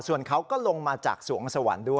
ส่วนเขาก็ลงมาจากสวงสวรรค์ด้วย